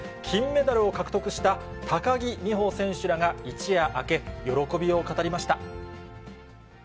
金メダルを獲得した高木美帆選手らが、一夜明け、喜びを語りました。